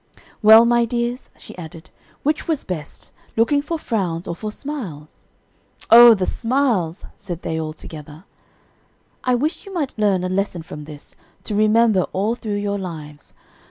"Well, my dears," she added, "which was best, looking for frowns or for smiles?" "O, the smiles," said they all together. "I wish you might learn a lesson from this, to remember all through your lives.